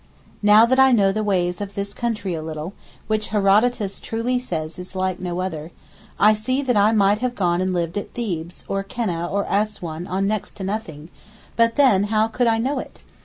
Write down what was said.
Now that I know the ways of this country a little, which Herodotus truly says is like no other, I see that I might have gone and lived at Thebes or at Keneh or Assouan on next to nothing, but then how could I know it?